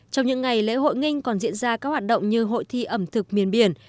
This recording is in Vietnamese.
trong những ngày lễ hội nghinh còn diễn ra các hoạt động như hội thi ẩm thực miền biển